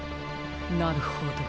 なるほど。